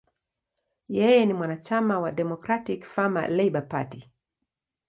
Yeye ni mwanachama wa Democratic–Farmer–Labor Party.